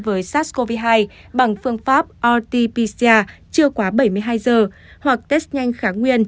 với sars cov hai bằng phương pháp rt pcr chưa quá bảy mươi hai giờ hoặc test nhanh kháng nguyên